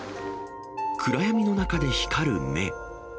暗闇の中で光る目。